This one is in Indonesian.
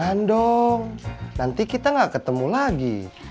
jangan dong nanti kita gak ketemu lagi